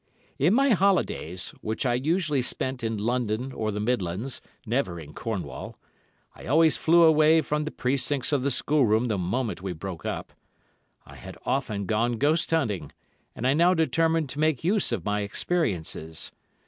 In my holidays, which I usually spent in London or the Midlands, never in Cornwall—I always flew away from the precincts of the schoolroom the moment we broke up—I had often gone ghost hunting, and I now determined to make use of my experiences.